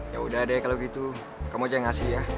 yaudah deh kalau gitu kamu aja yang ngasih ya